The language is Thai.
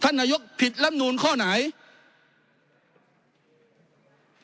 ท่านนายกคือทำร้ายระบอบประชาธิปไตยที่มีพระมหาคศัตริย์